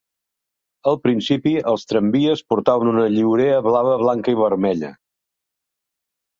Al principi els tramvies portaven una lliurea blava, blanca i vermella.